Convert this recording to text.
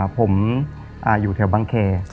ผมอยู่แถวบังเค